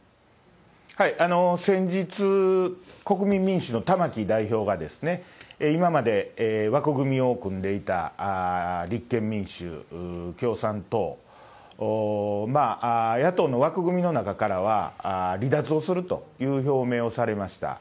先日、国民民主の玉木代表が、今まで枠組みを組んでいた立憲民主、共産と野党の枠組みの中からは離脱をするという表明をされました。